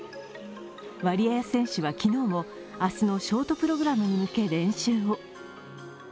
ワリエワ選手は昨日も明日のショートプログラムに向け、練習を。